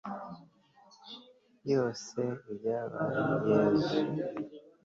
yose, ibyababaje yezu